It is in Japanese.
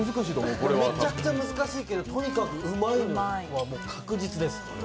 めちゃくちゃ難しいけどとにかくうまいのは確実です。